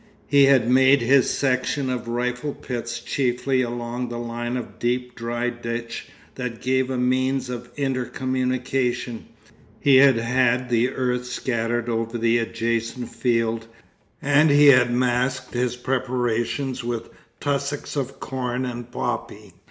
He had made his section of rifle pits chiefly along a line of deep dry ditch that gave a means of inter communication, he had had the earth scattered over the adjacent field, and he had masked his preparations with tussocks of corn and poppy.